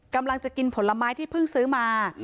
กำลังจะกินผลไม้ที่เพิ่งซื้อมา